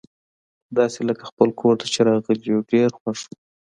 داسي لکه خپل کور ته چي راغلي یو، ډېر خوښ وو.